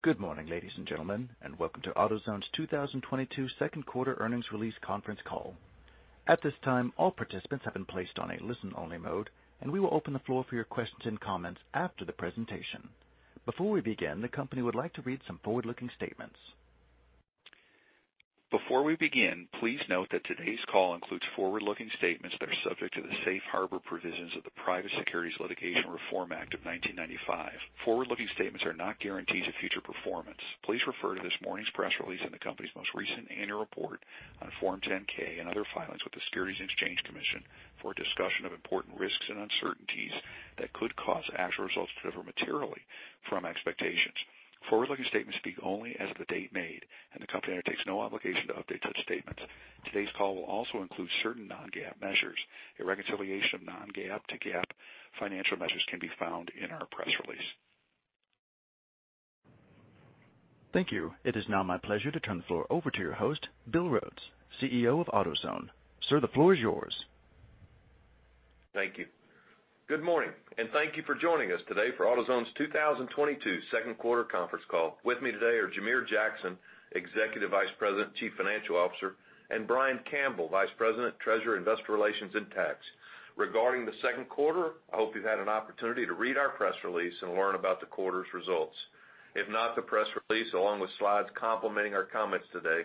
Good morning, ladies and gentlemen, and welcome to AutoZone's 2022 second quarter earnings release conference call. At this time, all participants have been placed on a listen-only mode, and we will open the floor for your questions and comments after the presentation. Before we begin, the company would like to read some forward-looking statements. Before we begin, please note that today's call includes forward-looking statements that are subject to the safe harbor provisions of the Private Securities Litigation Reform Act of 1995. Forward-looking statements are not guarantees of future performance. Please refer to this morning's press release and the company's most recent Annual Report on Form 10-K and other filings with the Securities and Exchange Commission for a discussion of important risks and uncertainties that could cause actual results to differ materially from expectations. Forward-looking statements speak only as of the date made, and the company undertakes no obligation to update such statements. Today's call will also include certain non-GAAP measures. A reconciliation of non-GAAP to GAAP financial measures can be found in our press release. Thank you. It is now my pleasure to turn the floor over to your host, Bill Rhodes, CEO of AutoZone. Sir, the floor is yours. Thank you. Good morning, and thank you for joining us today for AutoZone's 2022 second quarter conference call. With me today are Jamere Jackson, Executive Vice President, Chief Financial Officer, and Brian Campbell, Vice President, Treasurer, Investor Relations, and Tax. Regarding the second quarter, I hope you've had an opportunity to read our press release and learn about the quarter's results. If not, the press release, along with slides complementing our comments today,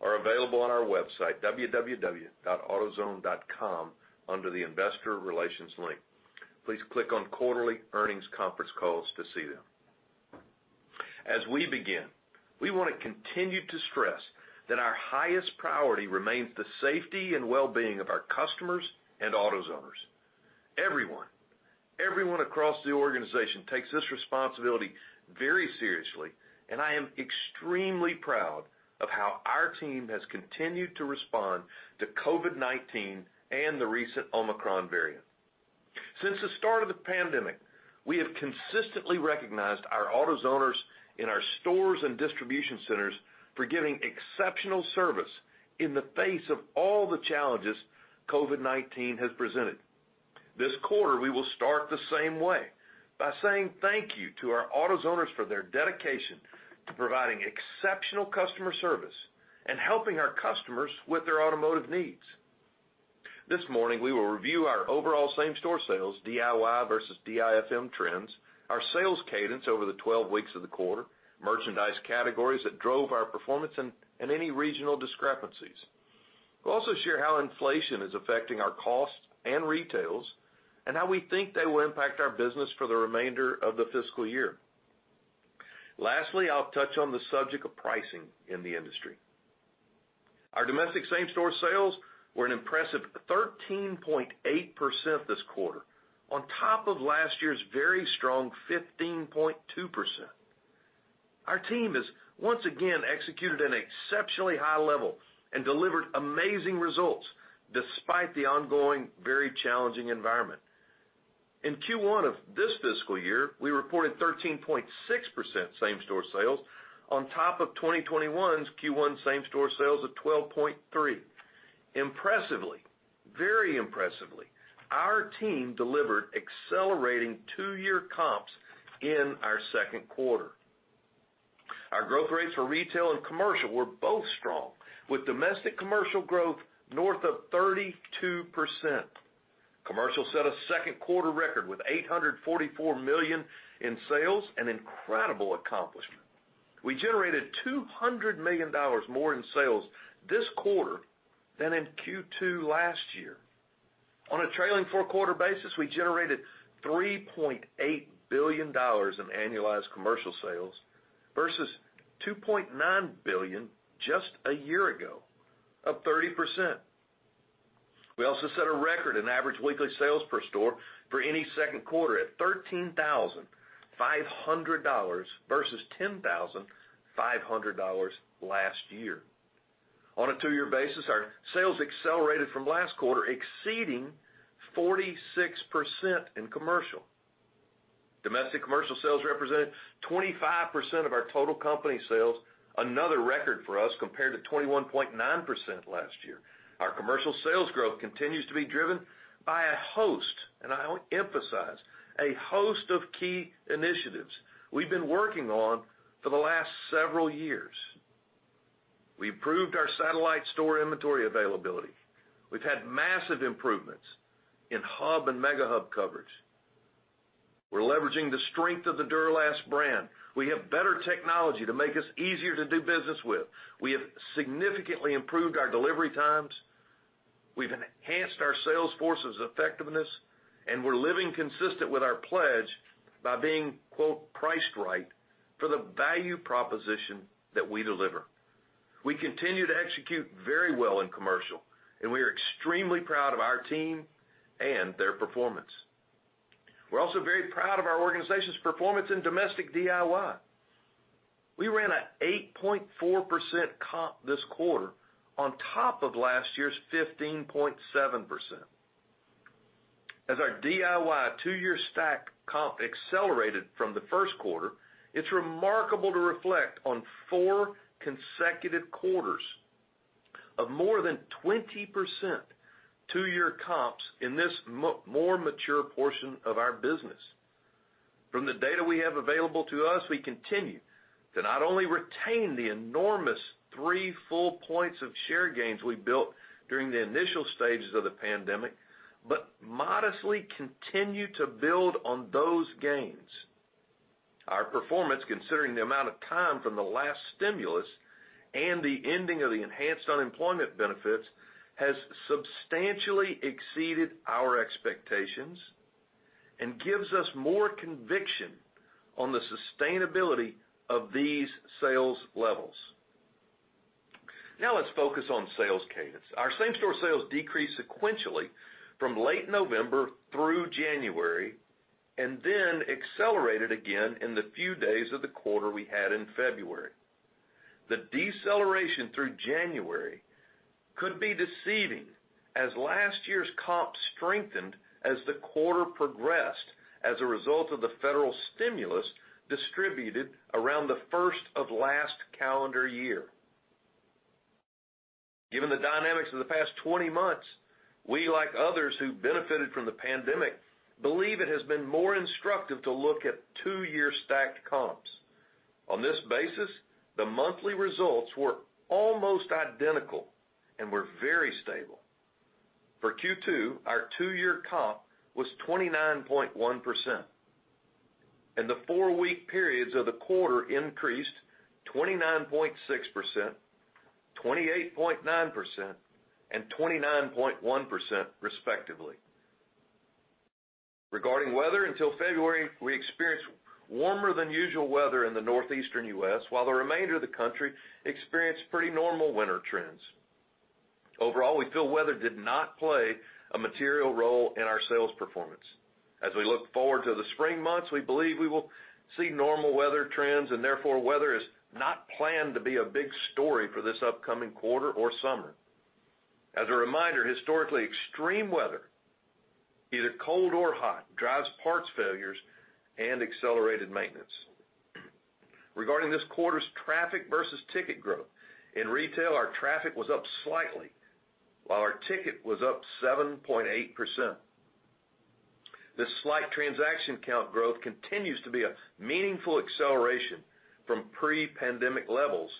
are available on our website, www.autozone.com, under the Investor Relations link. Please click on Quarterly Earnings Conference Calls to see them. As we begin, we want to continue to stress that our highest priority remains the safety and well-being of our customers and AutoZoners. Everyone across the organization takes this responsibility very seriously, and I am extremely proud of how our team has continued to respond to COVID-19 and the recent Omicron variant. Since the start of the pandemic, we have consistently recognized our AutoZoners in our stores and distribution centers for giving exceptional service in the face of all the challenges COVID-19 has presented. This quarter, we will start the same way, by saying thank you to our AutoZoners for their dedication to providing exceptional customer service and helping our customers with their automotive needs. This morning, we will review our overall same-store sales, DIY versus DIFM trends, our sales cadence over the 12 weeks of the quarter, merchandise categories that drove our performance, and any regional discrepancies. We'll also share how inflation is affecting our costs and retails and how we think they will impact our business for the remainder of the fiscal year. Lastly, I'll touch on the subject of pricing in the industry. Our domestic same-store sales were an impressive 13.8% this quarter, on top of last year's very strong 15.2%. Our team has once again executed an exceptionally high level and delivered amazing results despite the ongoing, very challenging environment. In Q1 of this fiscal year, we reported 13.6% same-store sales on top of 2021's Q1 same-store sales of 12.3%. Impressively, very impressively, our team delivered accelerating two-year comps in our second quarter. Our growth rates for retail and commercial were both strong, with domestic commercial growth north of 32%. Commercial set a second quarter record with 844 million in sales, an incredible accomplishment. We generated $200 million more in sales this quarter than in Q2 last year. On a trailing four-quarter basis, we generated $3.8 billion in annualized commercial sales versus 2.9 billion just a year ago, up 30%. We also set a record in average weekly sales per store for any second quarter at $13,500 versus $10,500 last year. On a two-year basis, our sales accelerated from last quarter, exceeding 46% in commercial. Domestic commercial sales represented 25% of our total company sales, another record for us compared to 21.9% last year. Our commercial sales growth continues to be driven by a host, and I emphasize, a host of key initiatives we've been working on for the last several years. We've improved our satellite store inventory availability. We've had massive improvements in hub and Mega Hub coverage. We're leveraging the strength of the Duralast brand. We have better technology to make us easier to do business with. We have significantly improved our delivery times. We've enhanced our sales force's effectiveness, and we're living consistent with our pledge by being “priced right” for the value proposition that we deliver. We continue to execute very well in commercial, and we are extremely proud of our team and their performance. We're also very proud of our organization's performance in domestic DIY. We ran an 8.4% comp this quarter on top of last year's 15.7%. As our DIY two-year stack comp accelerated from the first quarter, it's remarkable to reflect on four consecutive quarters of more than 20% two-year comps in this more mature portion of our business. From the data we have available to us, we continue to not only retain the enormous three full points of share gains we built during the initial stages of the pandemic, but modestly continue to build on those gains. Our performance, considering the amount of time from the last stimulus and the ending of the enhanced unemployment benefits, has substantially exceeded our expectations and gives us more conviction on the sustainability of these sales levels. Now let's focus on sales cadence. Our same-store sales decreased sequentially from late November through January and then accelerated again in the few days of the quarter we had in February. The deceleration through January could be deceiving as last year's comps strengthened as the quarter progressed as a result of the federal stimulus distributed around the first of last calendar year. Given the dynamics of the past 20 months, we, like others who benefited from the pandemic, believe it has been more instructive to look at two-year stacked comps. On this basis, the monthly results were almost identical and were very stable. For Q2, our two-year comp was 29.1%, and the four-week periods of the quarter increased 29.6%, 28.9%, and 29.1% respectively. Regarding weather, until February, we experienced warmer than usual weather in the Northeastern U.S., while the remainder of the country experienced pretty normal winter trends. Overall, we feel weather did not play a material role in our sales performance. As we look forward to the spring months, we believe we will see normal weather trends, and therefore, weather is not planned to be a big story for this upcoming quarter or summer. As a reminder, historically extreme weather, either cold or hot, drives parts failures and accelerated maintenance. Regarding this quarter's traffic versus ticket growth, in retail, our traffic was up slightly, while our ticket was up 7.8%. This slight transaction count growth continues to be a meaningful acceleration from pre-pandemic levels,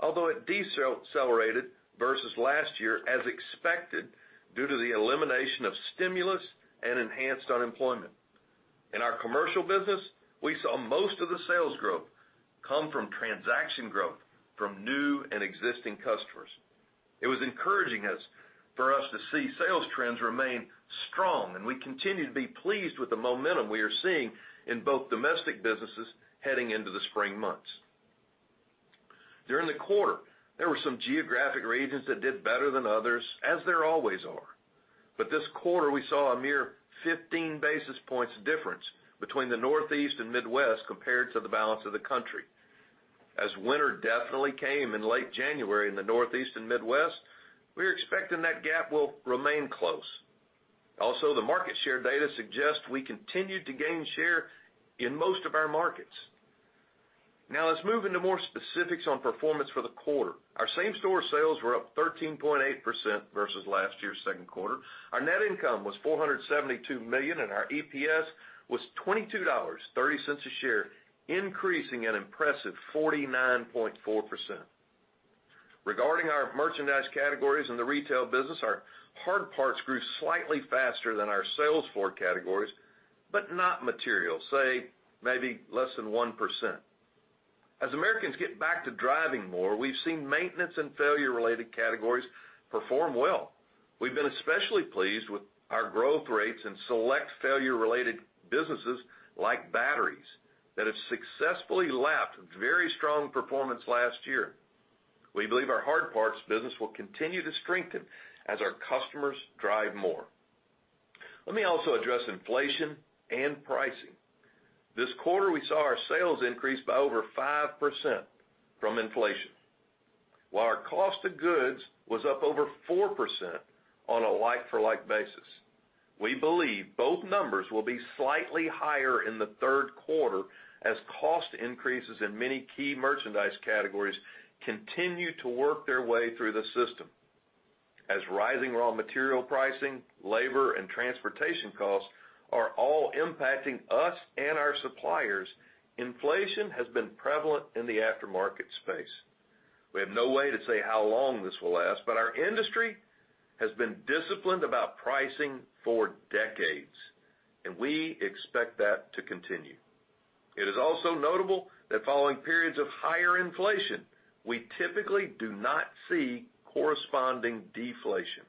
although it decelerated versus last year as expected due to the elimination of stimulus and enhanced unemployment. In our commercial business, we saw most of the sales growth come from transaction growth from new and existing customers. It was encouraging for us to see sales trends remain strong, and we continue to be pleased with the momentum we are seeing in both domestic businesses heading into the spring months. During the quarter, there were some geographic regions that did better than others, as there always are. This quarter, we saw a mere 15 basis points difference between the Northeast and Midwest compared to the balance of the country. As winter definitely came in late January in the Northeast and Midwest, we're expecting that gap will remain close. Also, the market share data suggests we continued to gain share in most of our markets. Now let's move into more specifics on performance for the quarter. Our same-store sales were up 13.8% versus last year's second quarter. Our net income was 472 million, and our EPS was $22.30 a share, increasing an impressive 49.4%. Regarding our merchandise categories in the retail business, our hard parts grew slightly faster than our sales floor categories, but not material, say maybe less than 1%. As Americans get back to driving more, we've seen maintenance and failure-related categories perform well. We've been especially pleased with our growth rates in select failure-related businesses like batteries that have successfully lapped very strong performance last year. We believe our hard parts business will continue to strengthen as our customers drive more. Let me also address inflation and pricing. This quarter, we saw our sales increase by over 5% from inflation, while our cost of goods was up over 4% on a like-for-like basis. We believe both numbers will be slightly higher in the third quarter as cost increases in many key merchandise categories continue to work their way through the system. As rising raw material pricing, labor, and transportation costs are all impacting us and our suppliers, inflation has been prevalent in the aftermarket space. We have no way to say how long this will last, but our industry has been disciplined about pricing for decades, and we expect that to continue. It is also notable that following periods of higher inflation, we typically do not see corresponding deflation.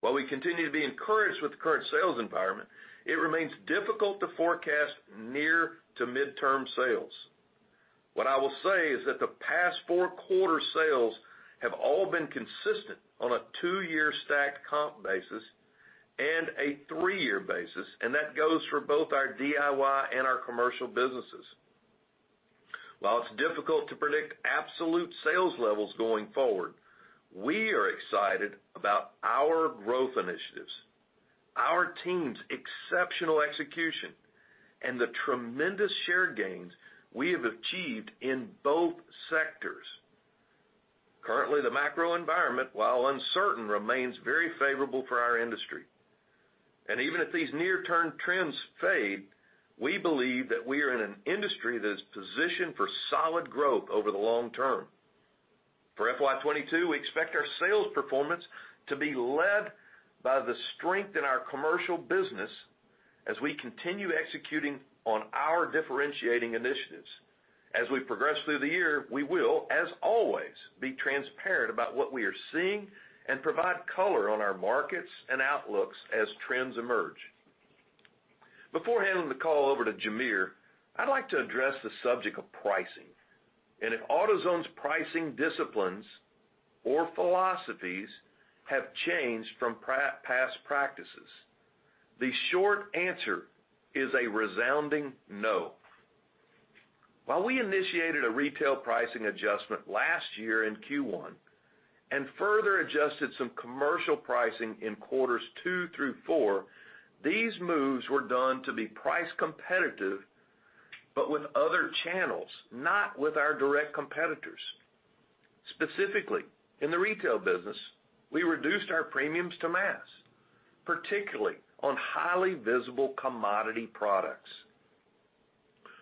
While we continue to be encouraged with the current sales environment, it remains difficult to forecast near to midterm sales. What I will say is that the past four quarter sales have all been consistent on a two-year stacked comp basis and a three-year basis, and that goes for both our DIY and our commercial businesses. While it's difficult to predict absolute sales levels going forward, we are excited about our growth initiatives. Our team's exceptional execution and the tremendous share gains we have achieved in both sectors. Currently, the macro environment, while uncertain, remains very favorable for our industry. Even if these near-term trends fade, we believe that we are in an industry that is positioned for solid growth over the long term. For FY 2022, we expect our sales performance to be led by the strength in our commercial business as we continue executing on our differentiating initiatives. As we progress through the year, we will, as always, be transparent about what we are seeing and provide color on our markets and outlooks as trends emerge. Before handing the call over to Jamere, I'd like to address the subject of pricing and if AutoZone's pricing disciplines or philosophies have changed from past practices. The short answer is a resounding no. While we initiated a retail pricing adjustment last year in Q1 and further adjusted some commercial pricing in quarters two through four, these moves were done to be price competitive, but with other channels, not with our direct competitors. Specifically, in the retail business, we reduced our premiums to mass, particularly on highly visible commodity products.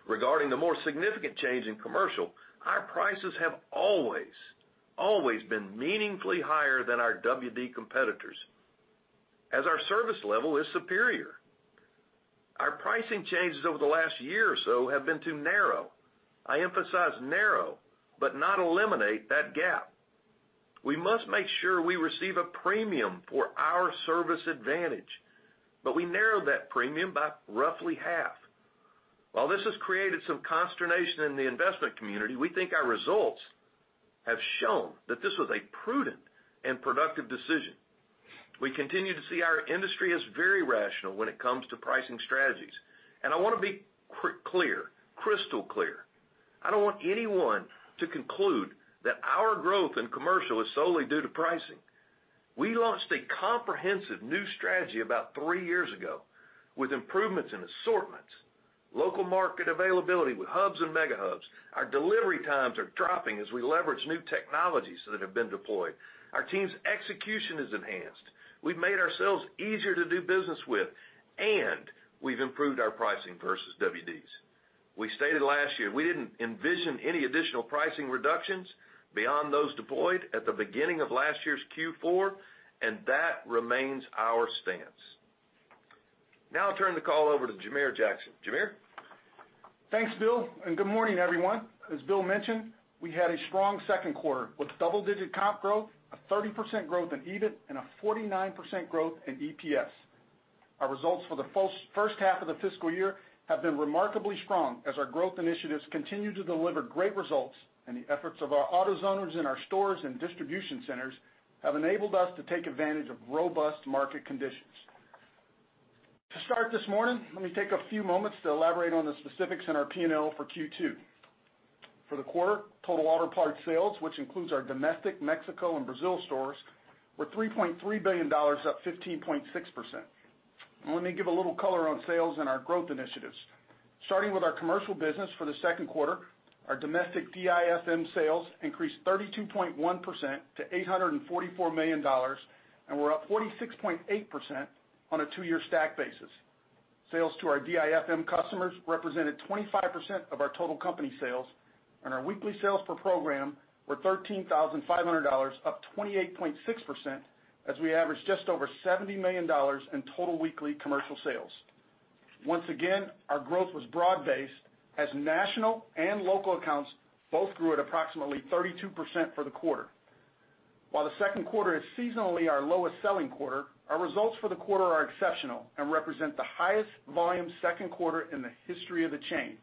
Regarding the more significant change in commercial, our prices have always been meaningfully higher than our WD competitors, as our service level is superior. Our pricing changes over the last year or so have been to narrow. I emphasize narrow, but not eliminate that gap. We must make sure we receive a premium for our service advantage, but we narrowed that premium by roughly half. While this has created some consternation in the investment community, we think our results have shown that this was a prudent and productive decision. We continue to see our industry as very rational when it comes to pricing strategies. I want to be clear, crystal clear, I don't want anyone to conclude that our growth in commercial is solely due to pricing. We launched a comprehensive new strategy about three years ago with improvements in assortments, local market availability with hubs and Mega Hubs. Our delivery times are dropping as we leverage new technologies that have been deployed. Our team's execution is enhanced. We've made ourselves easier to do business with, and we've improved our pricing versus WDs. We stated last year we didn't envision any additional pricing reductions beyond those deployed at the beginning of last year's Q4, and that remains our stance. Now I'll turn the call over to Jamere Jackson. Jamere? Thanks, Bill, and good morning, everyone. As Bill mentioned, we had a strong second quarter with double-digit comp growth, a 30% growth in EBIT, and a 49% growth in EPS. Our results for the first half of the fiscal year have been remarkably strong as our growth initiatives continue to deliver great results and the efforts of our AutoZoners in our stores and distribution centers have enabled us to take advantage of robust market conditions. To start this morning, let me take a few moments to elaborate on the specifics in our P&L for Q2. For the quarter, total auto part sales, which includes our domestic, Mexico and Brazil stores, were $3.3 billion, up 15.6%. Let me give a little color on sales and our growth initiatives. Starting with our commercial business for the second quarter, our domestic DIFM sales increased 32.1% to $844 million, and were up 46.8% on a two-year stack basis. Sales to our DIFM customers represented 25% of our total company sales, and our weekly sales per program were $13,500, up 28.6% as we averaged just over $70 million in total weekly commercial sales. Once again, our growth was broad-based as national and local accounts both grew at approximately 32% for the quarter. While the second quarter is seasonally our lowest selling quarter, our results for the quarter are exceptional and represent the highest volume second quarter in the history of the chain.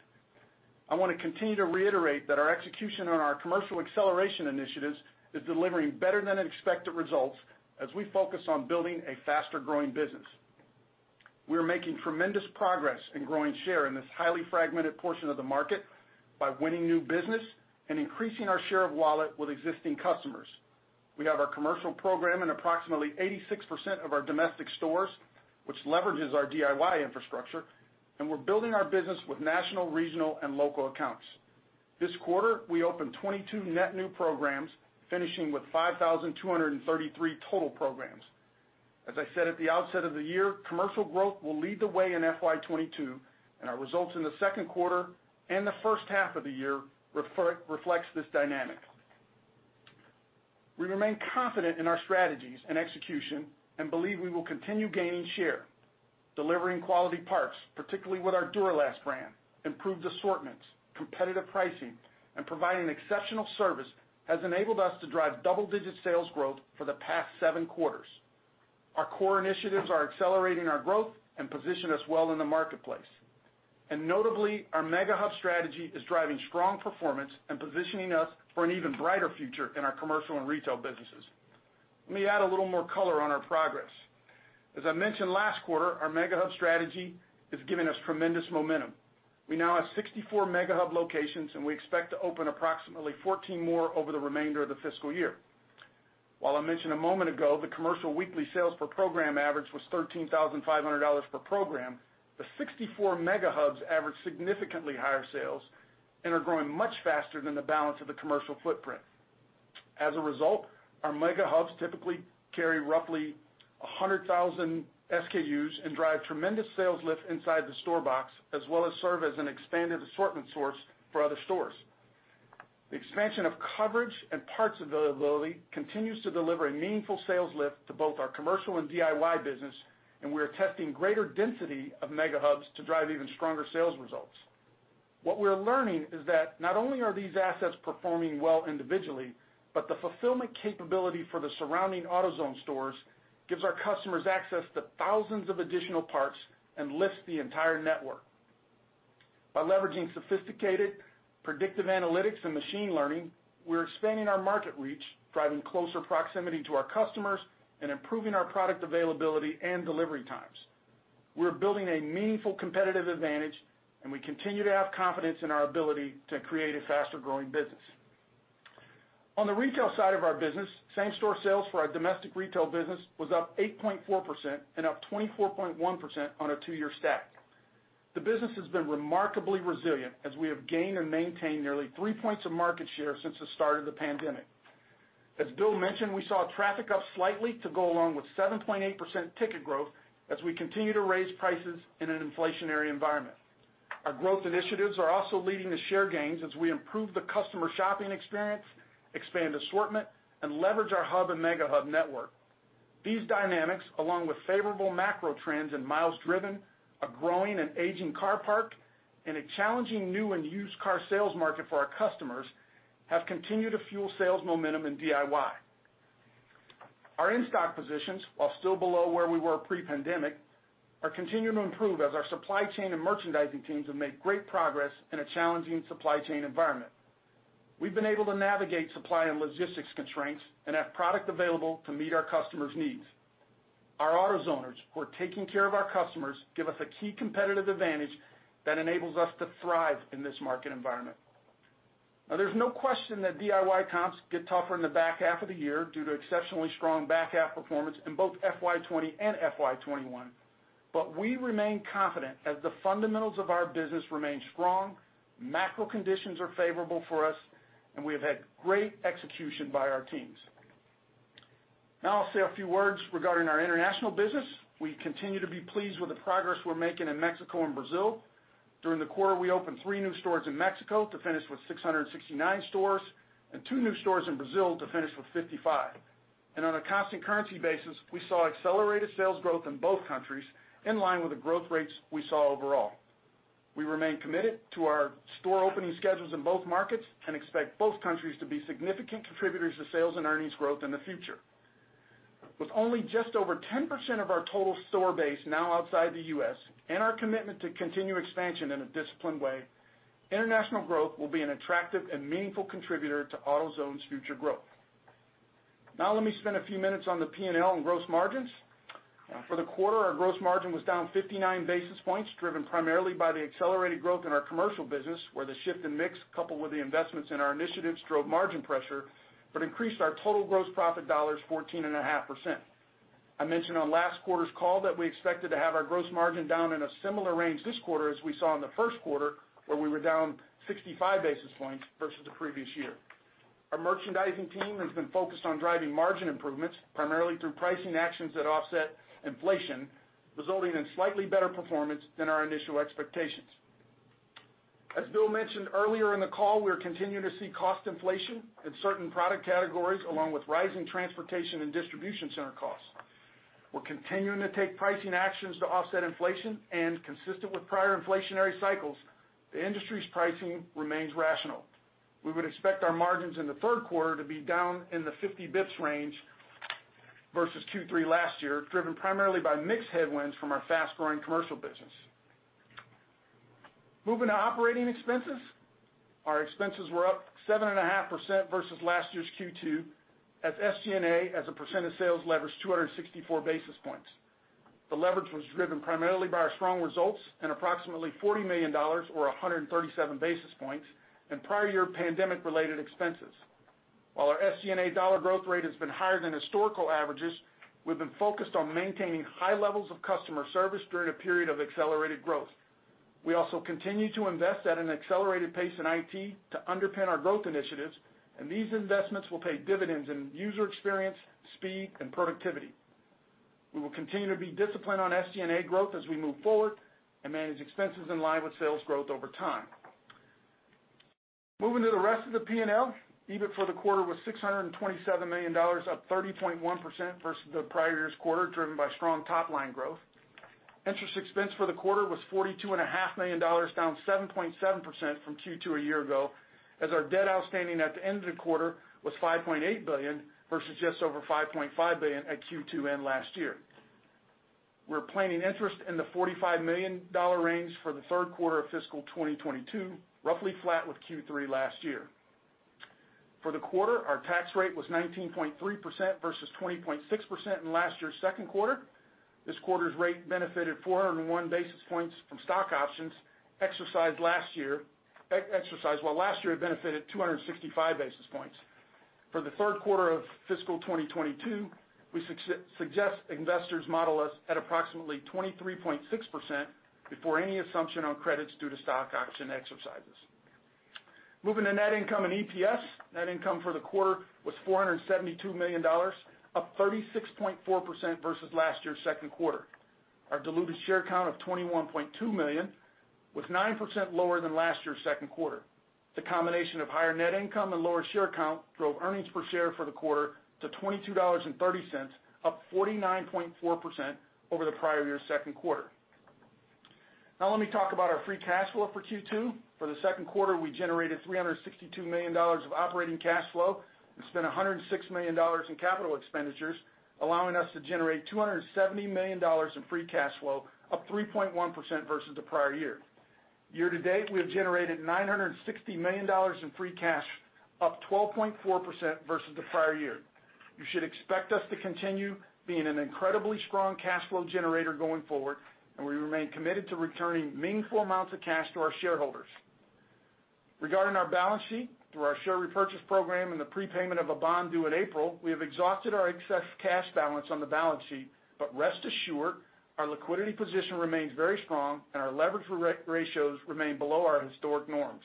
I want to continue to reiterate that our execution on our commercial acceleration initiatives is delivering better than expected results as we focus on building a faster growing business. We are making tremendous progress in growing share in this highly fragmented portion of the market by winning new business and increasing our share of wallet with existing customers. We have our commercial program in approximately 86% of our domestic stores, which leverages our DIY infrastructure, and we're building our business with national, regional and local accounts. This quarter, we opened 22 net new programs, finishing with 5,233 total programs. As I said at the outset of the year, commercial growth will lead the way in FY 2022, and our results in the second quarter and the first half of the year reflects this dynamic. We remain confident in our strategies and execution and believe we will continue gaining share. Delivering quality parts, particularly with our Duralast brand, improved assortments, competitive pricing, and providing exceptional service has enabled us to drive double-digit sales growth for the past seven quarters. Our core initiatives are accelerating our growth and position us well in the marketplace. Notably, our Mega Hub strategy is driving strong performance and positioning us for an even brighter future in our commercial and retail businesses. Let me add a little more color on our progress. As I mentioned last quarter, our Mega Hub strategy is giving us tremendous momentum. We now have 64 Mega Hub locations, and we expect to open approximately 14 more over the remainder of the fiscal year. While I mentioned a moment ago the commercial weekly sales per program average was $13,500 per program, the 64 Mega Hubs average significantly higher sales and are growing much faster than the balance of the commercial footprint. As a result, our Mega Hubs typically carry roughly 100,000 SKUs and drive tremendous sales lift inside the store box, as well as serve as an expanded assortment source for other stores. The expansion of coverage and parts availability continues to deliver a meaningful sales lift to both our commercial and DIY business, and we are testing greater density of Mega Hubs to drive even stronger sales results. What we're learning is that not only are these assets performing well individually, but the fulfillment capability for the surrounding AutoZone stores gives our customers access to thousands of additional parts and lifts the entire network. By leveraging sophisticated predictive analytics and machine learning, we're expanding our market reach, driving closer proximity to our customers, and improving our product availability and delivery times. We're building a meaningful competitive advantage, and we continue to have confidence in our ability to create a faster-growing business. On the retail side of our business, same-store sales for our domestic retail business was up 8.4% and up 24.1% on a two-year stack. The business has been remarkably resilient as we have gained and maintained nearly 3 points of market share since the start of the pandemic. As Bill mentioned, we saw traffic up slightly to go along with 7.8% ticket growth as we continue to raise prices in an inflationary environment. Our growth initiatives are also leading to share gains as we improve the customer shopping experience, expand assortment, and leverage our Hub and Mega Hub network. These dynamics, along with favorable macro trends and miles driven, a growing and aging car park, and a challenging new and used car sales market for our customers, have continued to fuel sales momentum in DIY. Our in-stock positions, while still below where we were pre-pandemic, are continuing to improve as our supply chain and merchandising teams have made great progress in a challenging supply chain environment. We've been able to navigate supply and logistics constraints and have product available to meet our customers' needs. Our AutoZoners who are taking care of our customers give us a key competitive advantage that enables us to thrive in this market environment. Now there's no question that DIY comps get tougher in the back half of the year due to exceptionally strong back half performance in both FY 2020 and FY 2021, but we remain confident as the fundamentals of our business remain strong, macro conditions are favorable for us, and we have had great execution by our teams. Now I'll say a few words regarding our international business. We continue to be pleased with the progress we're making in Mexico and Brazil. During the quarter, we opened 3 new stores in Mexico to finish with 669 stores and two new stores in Brazil to finish with 55. On a constant currency basis, we saw accelerated sales growth in both countries, in line with the growth rates we saw overall. We remain committed to our store opening schedules in both markets and expect both countries to be significant contributors to sales and earnings growth in the future. With only just over 10% of our total store base now outside the U.S. and our commitment to continue expansion in a disciplined way, international growth will be an attractive and meaningful contributor to AutoZone's future growth. Now let me spend a few minutes on the P&L and gross margins. For the quarter, our gross margin was down 59 basis points, driven primarily by the accelerated growth in our commercial business, where the shift in mix, coupled with the investments in our initiatives, drove margin pressure, but increased our total gross profit dollars 14.5%. I mentioned on last quarter's call that we expected to have our gross margin down in a similar range this quarter as we saw in the first quarter, where we were down 65 basis points versus the previous year. Our merchandising team has been focused on driving margin improvements primarily through pricing actions that offset inflation, resulting in slightly better performance than our initial expectations. As Bill mentioned earlier in the call, we're continuing to see cost inflation in certain product categories, along with rising transportation and distribution center costs. We're continuing to take pricing actions to offset inflation and consistent with prior inflationary cycles, the industry's pricing remains rational. We would expect our margins in the third quarter to be down in the 50 basis points range versus Q3 last year, driven primarily by mix headwinds from our fast-growing commercial business. Moving to operating expenses. Our expenses were up 7.5% versus last year's Q2 as SG&A as a percent of sales leveraged 264 basis points. The leverage was driven primarily by our strong results and approximately $40 million or 137 basis points in prior year pandemic-related expenses. While our SG&A dollar growth rate has been higher than historical averages, we've been focused on maintaining high levels of customer service during a period of accelerated growth. We also continue to invest at an accelerated pace in IT to underpin our growth initiatives, and these investments will pay dividends in user experience, speed, and productivity. We will continue to be disciplined on SG&A growth as we move forward and manage expenses in line with sales growth over time. Moving to the rest of the P&L, EBIT for the quarter was $627 million, up 30.1% versus the prior year's quarter, driven by strong top-line growth. Interest expense for the quarter was $42.5 million, down 7.7% from Q2 a year ago, as our debt outstanding at the end of the quarter was $5.8 billion versus just over 5.5 billion at Q2 end last year. We're planning interest in the $45 million range for the third quarter of fiscal 2022, roughly flat with Q3 last year. For the quarter, our tax rate was 19.3% versus 20.6% in last year's second quarter. This quarter's rate benefited 401 basis points from stock options exercised last year, while last year it benefited 265 basis points. For the third quarter of fiscal 2022, we suggest investors model us at approximately 23.6% before any assumption on credits due to stock option exercises. Moving to net income and EPS. Net income for the quarter was $472 million, up 36.4% versus last year's second quarter. Our diluted share count of 21.2 million was 9% lower than last year's second quarter. The combination of higher net income and lower share count drove earnings per share for the quarter to $22.30, up 49.4% over the prior year's second quarter. Now let me talk about our free cash flow for Q2. For the second quarter, we generated $362 million of operating cash flow and spent $106 million in capital expenditures, allowing us to generate $270 million in free cash flow, up 3.1% versus the prior year. Year-to-date, we have generated $960 million in free cash, up 12.4% versus the prior year. You should expect us to continue being an incredibly strong cash flow generator going forward, and we remain committed to returning meaningful amounts of cash to our shareholders. Regarding our balance sheet, through our share repurchase program and the prepayment of a bond due in April, we have exhausted our excess cash balance on the balance sheet. Rest assured, our liquidity position remains very strong and our leverage ratios remain below our historic norms.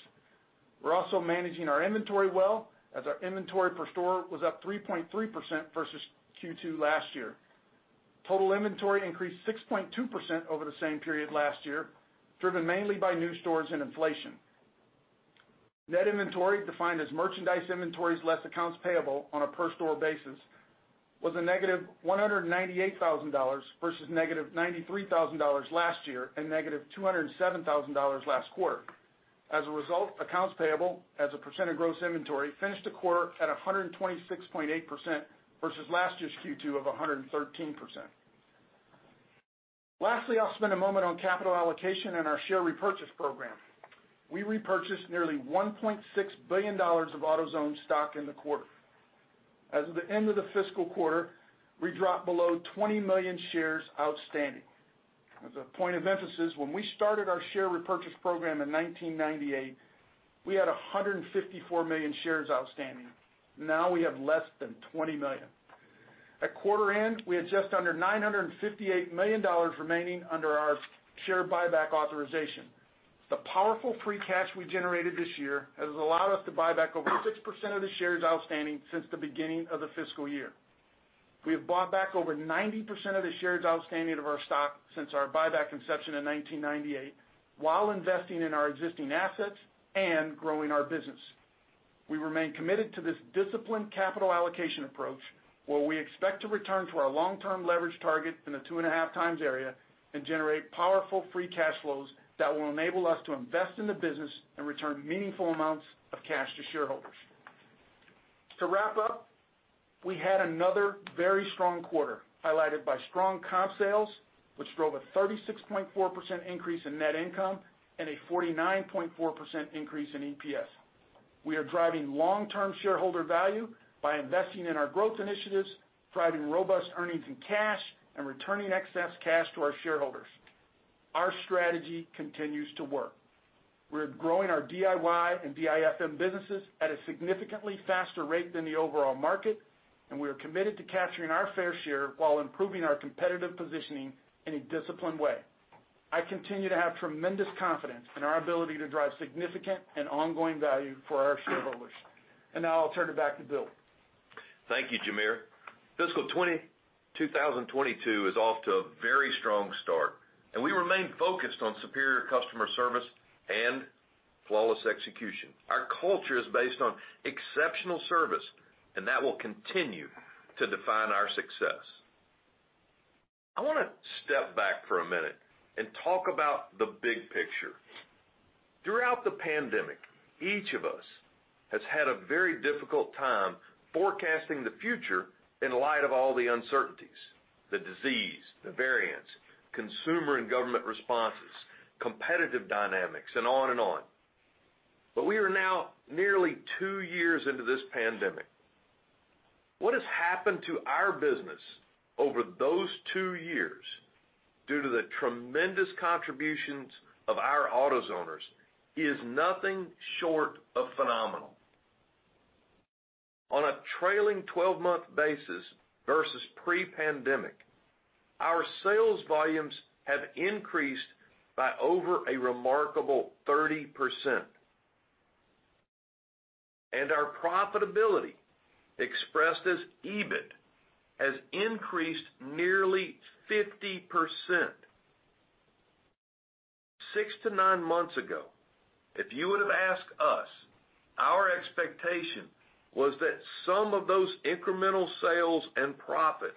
We're also managing our inventory well as our inventory per store was up 3.3% versus Q2 last year. Total inventory increased 6.2% over the same period last year, driven mainly by new stores and inflation. Net inventory, defined as merchandise inventories less accounts payable on a per store basis, was -$198,000 versus -$93,000 last year and -$207,000 last quarter. As a result, accounts payable as a percent of gross inventory finished the quarter at 126.8% versus last year's Q2 of 113%. Lastly, I'll spend a moment on capital allocation and our share repurchase program. We repurchased nearly $1.6 billion of AutoZone stock in the quarter. As of the end of the fiscal quarter, we dropped below 20 million shares outstanding. As a point of emphasis, when we started our share repurchase program in 1998, we had 154 million shares outstanding. Now we have less than 20 million. At quarter end, we had just under $958 million remaining under our share buyback authorization. The powerful free cash we generated this year has allowed us to buy back over 6% of the shares outstanding since the beginning of the fiscal year. We have bought back over 90% of the shares outstanding of our stock since our buyback inception in 1998 while investing in our existing assets and growing our business. We remain committed to this disciplined capital allocation approach where we expect to return to our long-term leverage target in the 2.5 times area and generate powerful free cash flows that will enable us to invest in the business and return meaningful amounts of cash to shareholders. To wrap up, we had another very strong quarter, highlighted by strong comp sales, which drove a 36.4% increase in net income and a 49.4% increase in EPS. We are driving long-term shareholder value by investing in our growth initiatives, driving robust earnings and cash, and returning excess cash to our shareholders. Our strategy continues to work. We're growing our DIY and DIFM businesses at a significantly faster rate than the overall market, and we are committed to capturing our fair share while improving our competitive positioning in a disciplined way. I continue to have tremendous confidence in our ability to drive significant and ongoing value for our shareholders. Now I'll turn it back to Bill. Thank you, Jamere. Fiscal 2022 is off to a very strong start, and we remain focused on superior customer service and flawless execution. Our culture is based on exceptional service, and that will continue to define our success. I want to step back for a minute and talk about the big picture. Throughout the pandemic, each of us has had a very difficult time forecasting the future in light of all the uncertainties, the disease, the variants, consumer and government responses, competitive dynamics, and on and on. We are now nearly two years into this pandemic. What has happened to our business over those two years due to the tremendous contributions of our AutoZoners is nothing short of phenomenal. On a trailing 12-month basis versus pre-pandemic, our sales volumes have increased by over a remarkable 30%, and our profitability, expressed as EBIT, has increased nearly 50%. Six-nine months ago, if you would have asked us, our expectation was that some of those incremental sales and profits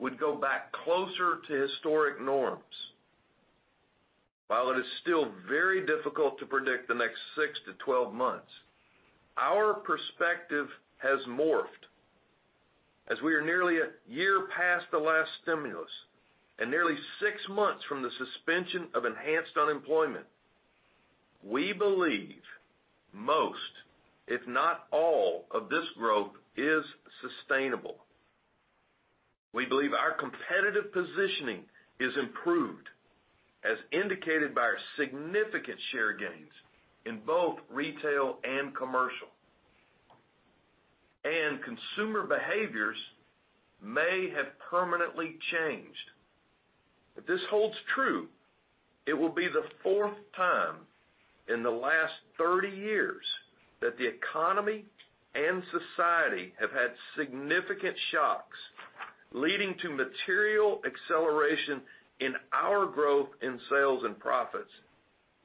would go back closer to historic norms. While it is still very difficult to predict the next 6-12 months, our perspective has morphed. As we are nearly a year past the last stimulus and nearly six months from the suspension of enhanced unemployment, we believe most, if not all, of this growth is sustainable. We believe our competitive positioning is improved, as indicated by our significant share gains in both retail and commercial. Consumer behaviors may have permanently changed. If this holds true, it will be the fourth time in the last 30 years that the economy and society have had significant shocks, leading to material acceleration in our growth in sales and profits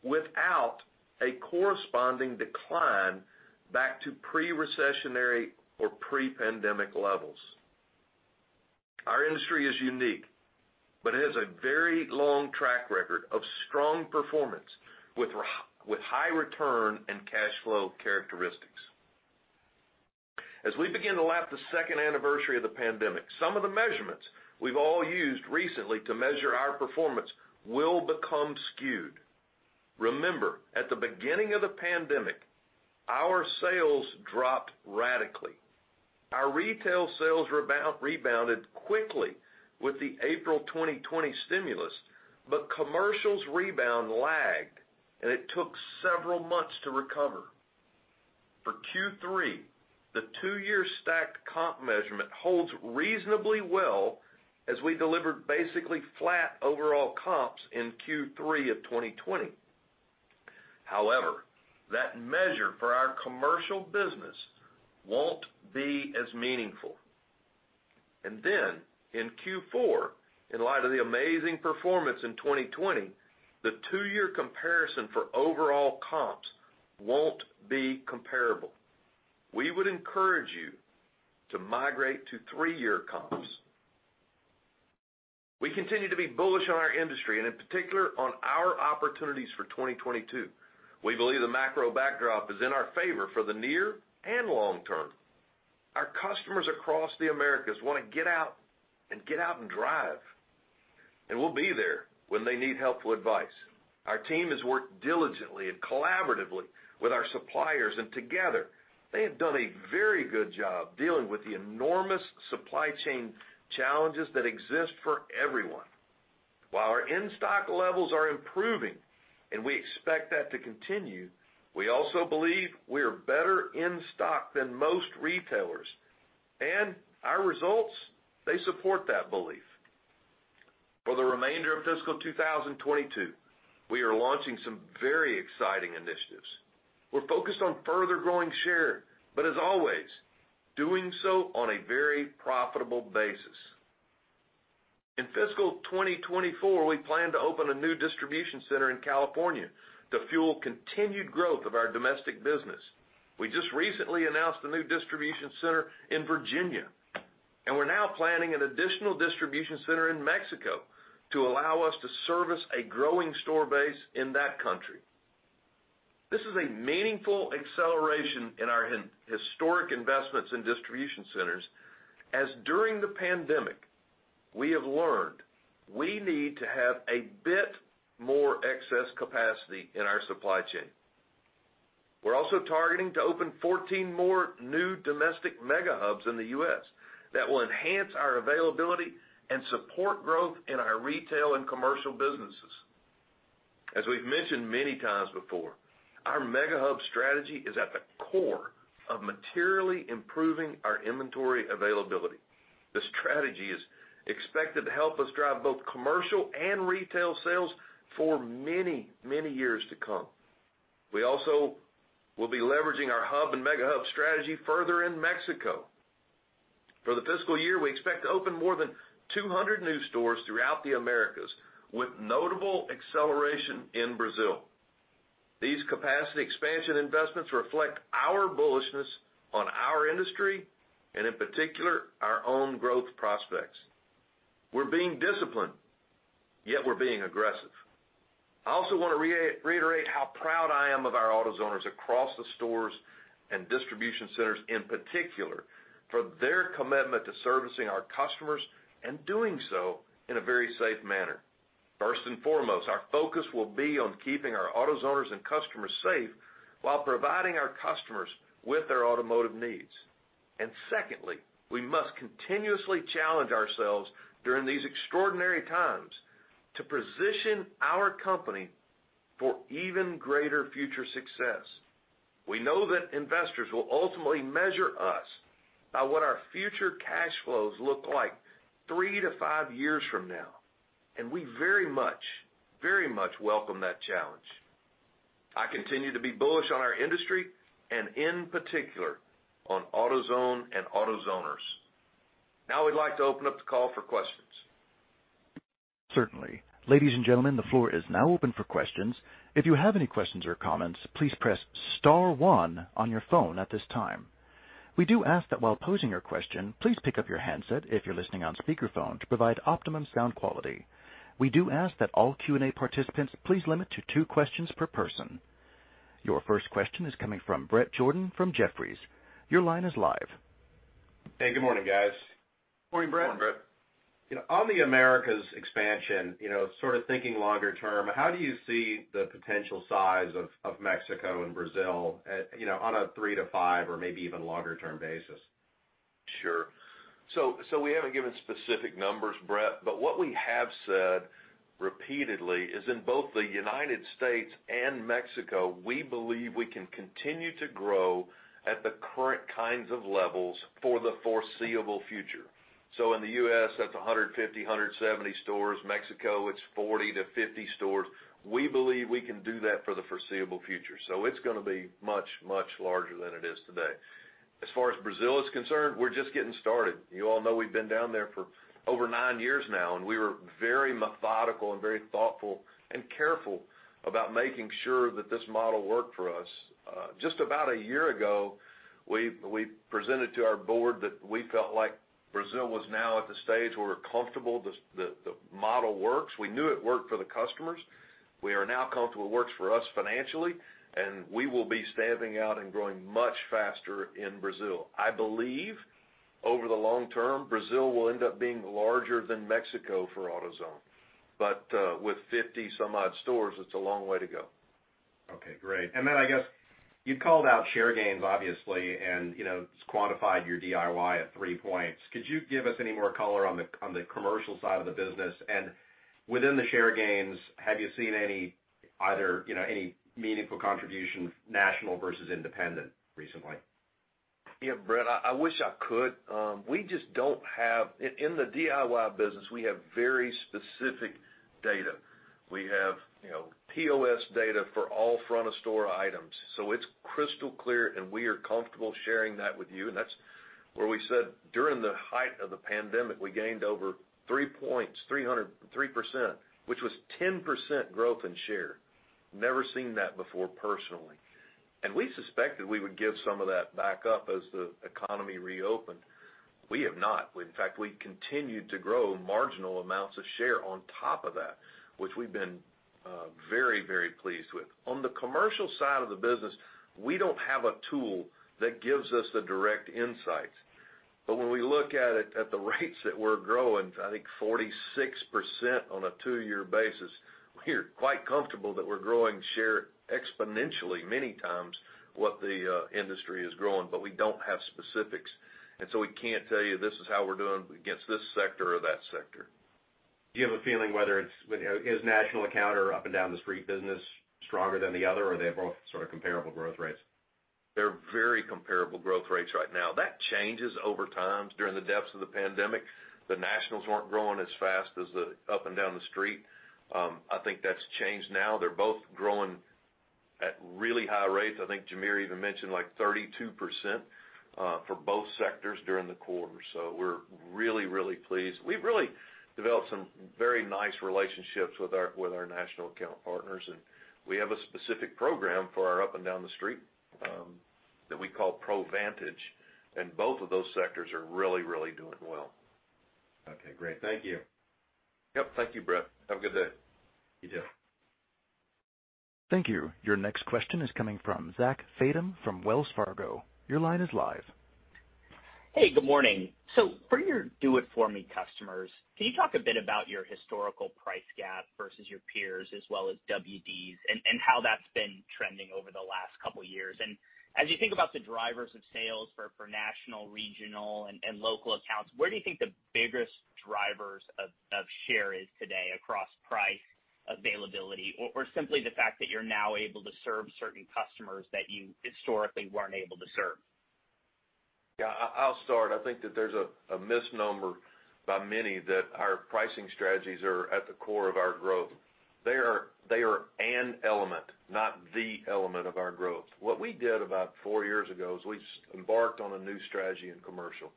without a corresponding decline back to pre-recessionary or pre-pandemic levels. Our industry is unique, but it has a very long track record of strong performance with high return and cash flow characteristics. As we begin to lap the second anniversary of the pandemic, some of the measurements we've all used recently to measure our performance will become skewed. Remember, at the beginning of the pandemic, our sales dropped radically. Our retail sales rebounded quickly with the April 2020 stimulus, but commercials rebound lagged, and it took several months to recover. For Q3, the two-year stacked comp measurement holds reasonably well as we delivered basically flat overall comps in Q3 of 2020. However, that measure for our commercial business won't be as meaningful. In Q4, in light of the amazing performance in 2020, the two-year comparison for overall comps won't be comparable. We would encourage you to migrate to three-year comps. We continue to be bullish on our industry and in particular on our opportunities for 2022. We believe the macro backdrop is in our favor for the near and long term. Our customers across the Americas want to get out and drive, and we'll be there when they need helpful advice. Our team has worked diligently and collaboratively with our suppliers, and together, they have done a very good job dealing with the enormous supply chain challenges that exist for everyone. While our in-stock levels are improving, and we expect that to continue, we also believe we are better in stock than most retailers, and our results, they support that belief. For the remainder of fiscal 2022, we are launching some very exciting initiatives. We're focused on further growing share, but as always, doing so on a very profitable basis. In fiscal 2024, we plan to open a new distribution center in California to fuel continued growth of our domestic business. We just recently announced a new distribution center in Virginia, and we're now planning an additional distribution center in Mexico to allow us to service a growing store base in that country. This is a meaningful acceleration in our historic investments in distribution centers, as during the pandemic, we have learned we need to have a bit more excess capacity in our supply chain. We're also targeting to open 14 more new domestic Mega Hubs in the U.S. that will enhance our availability and support growth in our retail and commercial businesses. As we've mentioned many times before, our Mega Hub strategy is at the core of materially improving our inventory availability. The strategy is expected to help us drive both commercial and retail sales for many, many years to come. We also will be leveraging our hub and Mega Hub strategy further in Mexico. For the fiscal year, we expect to open more than 200 new stores throughout the Americas with notable acceleration in Brazil. These capacity expansion investments reflect our bullishness on our industry and in particular, our own growth prospects. We're being disciplined, yet we're being aggressive. I also want to reiterate how proud I am of our AutoZoners across the stores and distribution centers, in particular, for their commitment to servicing our customers and doing so in a very safe manner. First and foremost, our focus will be on keeping our AutoZoners and customers safe while providing our customers with their automotive needs. Secondly, we must continuously challenge ourselves during these extraordinary times to position our company for even greater future success. We know that investors will ultimately measure us by what our future cash flows look like three to five years from now, and we very much welcome that challenge. I continue to be bullish on our industry and in particular on AutoZone and AutoZoners. Now we'd like to open up the call for questions. Certainly. Ladies and gentlemen, the floor is now open for questions. If you have any questions or comments, please press star one on your phone at this time. We do ask that while posing your question, please pick up your handset if you're listening on speaker phone to provide optimum sound quality. We do ask that all Q&A participants, please limit to two questions per person. Your first question is coming from Bret Jordan from Jefferies. Your line is live. Hey, good morning, guys. Morning, Brett. Morning, Bret. You know, on the Americas expansion, you know, sort of thinking longer term, how do you see the potential size of Mexico and Brazil at, you know, on a three-five or maybe even longer term basis? Sure. We haven't given specific numbers, Brett, but what we have said repeatedly is in both the United States and Mexico, we believe we can continue to grow at the current kinds of levels for the foreseeable future. In the U.S., that's 150-170 stores. Mexico, it's 40-50 stores. We believe we can do that for the foreseeable future. It's going to be much, much larger than it is today. As far as Brazil is concerned, we're just getting started. You all know we've been down there for over nine years now, and we were very methodical and very thoughtful and careful about making sure that this model worked for us. Just about a year ago, we presented to our board that we felt like Brazil was now at the stage where we're comfortable the model works. We knew it worked for the customers. We are now comfortable it works for us financially, and we will be staffing out and growing much faster in Brazil. I believe over the long term, Brazil will end up being larger than Mexico for AutoZone. With 50-some-odd stores, it's a long way to go. Okay, great. I guess you called out share gains, obviously, and you know, it's quantified your DIY at three points. Could you give us any more color on the commercial side of the business? Within the share gains, have you seen any either, you know, any meaningful contribution national versus independent recently? Yeah, Brett, I wish I could. We just don't have. In the DIY business, we have very specific data. We have, you know, POS data for all front of store items, so it's crystal clear, and we are comfortable sharing that with you. That's where we said during the height of the pandemic, we gained over three points, 303%, which was 10% growth in share. Never seen that before personally. We suspected we would give some of that back up as the economy reopened. We have not. In fact, we continued to grow marginal amounts of share on top of that, which we've been very pleased with. On the commercial side of the business, we don't have a tool that gives us the direct insights. When we look at it at the rates that we're growing, I think 46% on a two-year basis, we're quite comfortable that we're growing share exponentially many times what the industry is growing, but we don't have specifics. We can't tell you, this is how we're doing against this sector or that sector. Do you have a feeling whether it's national account or up and down the street business stronger than the other? Or are they both sort of comparable growth rates? They're very comparable growth rates right now. That changes over time. During the depths of the pandemic, the nationals weren't growing as fast as the up and down the street. I think that's changed now. They're both growing at really high rates. I think Jamere even mentioned, like, 32%, for both sectors during the quarter. We're really, really pleased. We've really developed some very nice relationships with our national account partners, and we have a specific program for our up and down the street, that we call ProVantage, and both of those sectors are really, really doing well. Okay, great. Thank you. Yep. Thank you, Brett. Have a good day. You too. Thank you. Your next question is coming from Zachary Fadem from Wells Fargo. Your line is live. Hey, good morning. For your do it for me customers, can you talk a bit about your historical price gap versus your peers as well as WDs and how that's been trending over the last couple years? As you think about the drivers of sales for national, regional and local accounts, where do you think the biggest drivers of share is today across price availability, or simply the fact that you're now able to serve certain customers that you historically weren't able to serve? Yeah. I'll start. I think that there's a misnomer by many that our pricing strategies are at the core of our growth. They are an element, not the element of our growth. What we did about four years ago is we embarked on a new strategy in commercial,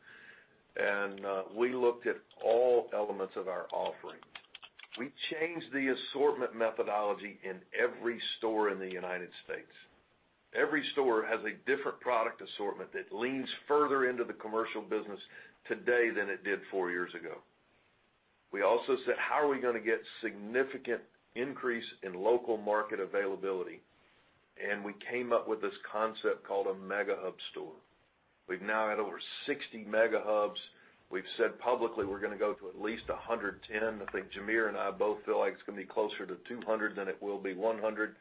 and we looked at all elements of our offering. We changed the assortment methodology in every store in the United States. Every store has a different product assortment that leans further into the commercial business today than it did four years ago. We also said, how are we going to get significant increase in local market availability? We came up with this concept called a Mega Hub store. We've now had over 60 Mega Hubs. We've said publicly we're going to go to at least 110. I think Jamere and I both feel like it's going to be closer to 200 than it will be 100,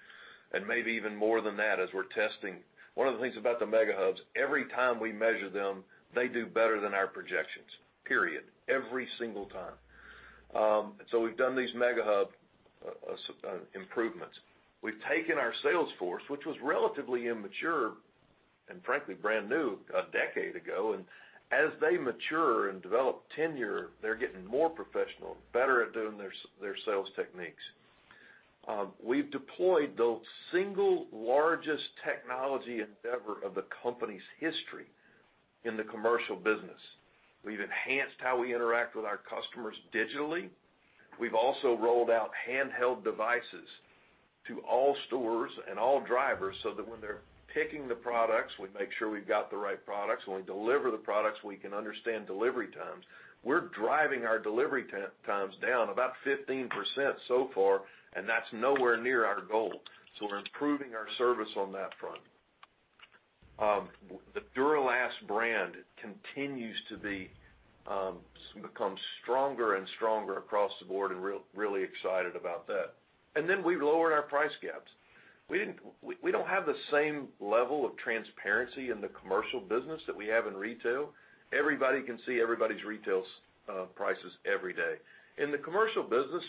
and maybe even more than that as we're testing. One of the things about the Mega Hubs, every time we measure them, they do better than our projections, period. Every single time. We've done these Mega Hub improvements. We've taken our sales force, which was relatively immature and frankly brand new a decade ago, and as they mature and develop tenure, they're getting more professional, better at doing their sales techniques. We've deployed the single largest technology endeavor of the company's history in the commercial business. We've enhanced how we interact with our customers digitally. We've also rolled out handheld devices to all stores and all drivers so that when they're picking the products, we make sure we've got the right products. When we deliver the products, we can understand delivery times. We're driving our delivery times down about 15% so far, and that's nowhere near our goal. We're improving our service on that front. The Duralast brand continues to become stronger and stronger across the board and really excited about that. We lowered our price gaps. We don't have the same level of transparency in the commercial business that we have in retail. Everybody can see everybody's retail prices every day. In the commercial business,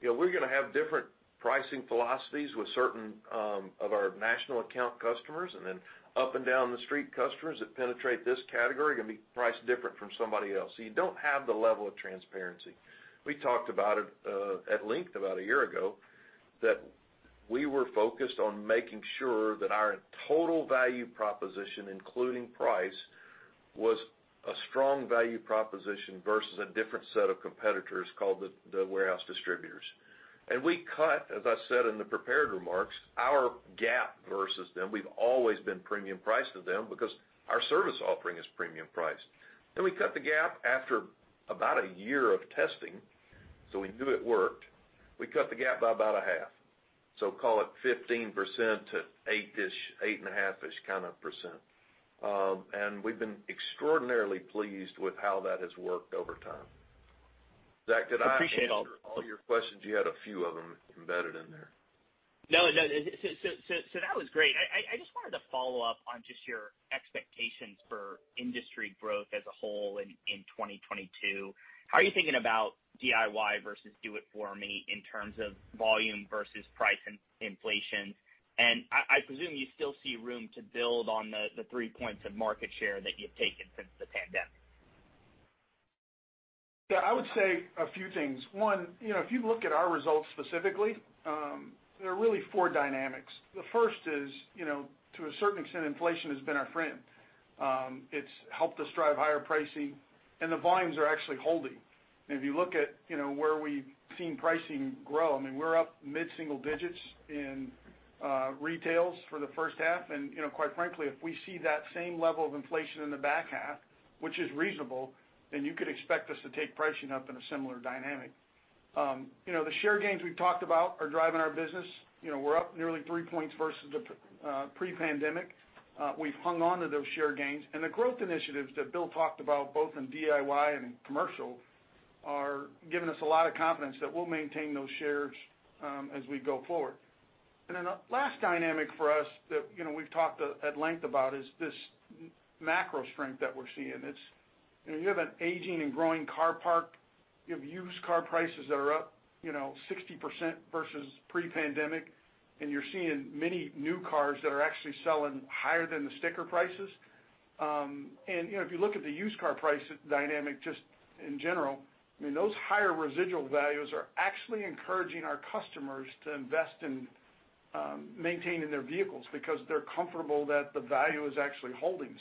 you know, we're going to have different pricing philosophies with certain of our national account customers, and then up and down the street customers that penetrate this category can be priced different from somebody else. You don't have the level of transparency. We talked about it at length about a year ago, that we were focused on making sure that our total value proposition, including price, was a strong value proposition versus a different set of competitors called the warehouse distributors. We cut, as I said in the prepared remarks, our gap versus them. We've always been premium priced to them because our service offering is premium priced. We cut the gap after about a year of testing, so we knew it worked. We cut the gap by about a half. Call it 15% to 8-ish, 8.5-ish kind of percent. We've been extraordinarily pleased with how that has worked over time. Zach, did I answer all your questions? You had a few of them embedded in there. No. That was great. I just wanted to follow up on just your expectations for industry growth as a whole in 2022. How are you thinking about DIY versus do it for me in terms of volume versus price and inflation? I presume you still see room to build on the three points of market share that you've taken since the pandemic. Yeah, I would say a few things. One, you know, if you look at our results specifically, there are really four dynamics. The first is, you know, to a certain extent, inflation has been our friend. It's helped us drive higher pricing, and the volumes are actually holding. If you look at, you know, where we've seen pricing grow, I mean, we're up mid-single digits in retails for the first half. You know, quite frankly, if we see that same level of inflation in the back half, which is reasonable, then you could expect us to take pricing up in a similar dynamic. You know, the share gains we've talked about are driving our business. You know, we're up nearly three points versus the pre-pandemic. We've hung on to those share gains. The growth initiatives that Bill talked about, both in DIY and in commercial, are giving us a lot of confidence that we'll maintain those shares as we go forward. Then the last dynamic for us that, you know, we've talked at length about is this macro strength that we're seeing. It's, you know, you have an aging and growing car park. You have used car prices that are up, you know, 60% versus pre-pandemic, and you're seeing many new cars that are actually selling higher than the sticker prices. You know, if you look at the used car price dynamic just in general, I mean, those higher residual values are actually encouraging our customers to invest in maintaining their vehicles because they're comfortable that the value is actually holding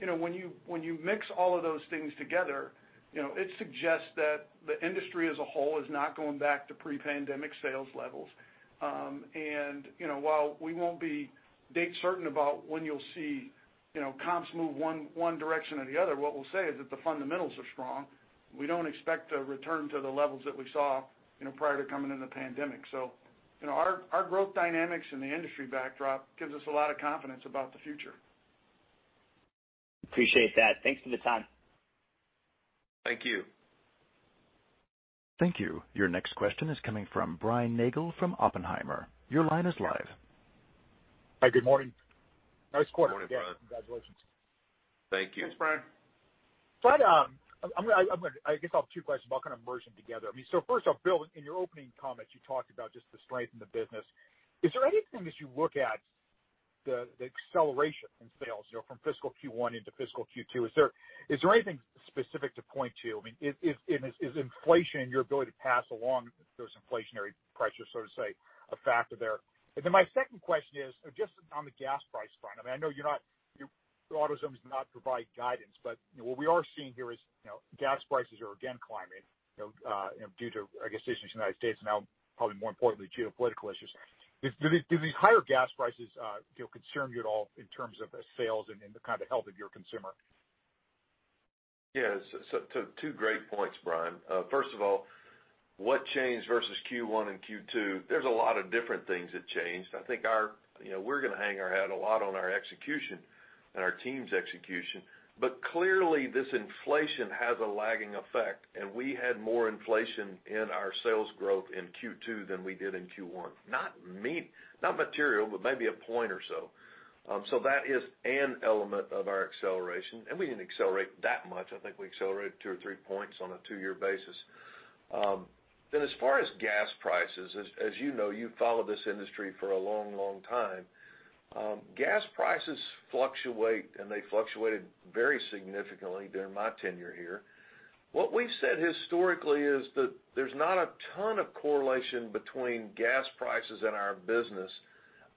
When you mix all of those things together, you know, it suggests that the industry as a whole is not going back to pre-pandemic sales levels. You know, while we won't be date certain about when you'll see, you know, comps move in one direction or the other, what we'll say is that the fundamentals are strong. We don't expect to return to the levels that we saw, you know, prior to the pandemic. You know, our growth dynamics and the industry backdrop gives us a lot of confidence about the future. appreciate that. Thank you for your time. Thank you. Thank you. Your next question is coming from Brian Nagel from Oppenheimer. Your line is live. Hi, good morning. Nice quarter. Morning, Brian. Congratulations. Thank you. Thanks, Brian Brian, I'm going to I guess I'll have two questions, but I'll kind of merge them together. I mean, first off, Bill, in your opening comments, you talked about just the strength in the business. Is there anything as you look at the acceleration in sales, you know, from fiscal Q1 into fiscal Q2, is there anything specific to point to? I mean, is inflation your ability to pass along those inflationary prices, so to say, a factor there? My second question is just on the gas price front. I mean, I know you're not AutoZone does not provide guidance, but you know, what we are seeing here is, you know, gas prices are again climbing, you know, due to, I guess, issues in the United States and now probably more importantly, geopolitical issues. Do these higher gas prices, you know, concern you at all in terms of the sales and the kind of health of your consumer? Yes. Two great points, Brian. First of all, what changed versus Q1 and Q2? There's a lot of different things that changed. I think, you know, we're going to hang our hat a lot on our execution and our team's execution. Clearly, this inflation has a lagging effect, and we had more inflation in our sales growth in Q2 than we did in Q1. Not material, but maybe a point or so. That is an element of our acceleration, and we didn't accelerate that much. I think we accelerated two or three points on a two-year basis. As far as gas prices, as you know, you've followed this industry for a long time, gas prices fluctuate, and they fluctuated very significantly during my tenure here. What we've said historically is that there's not a ton of correlation between gas prices and our business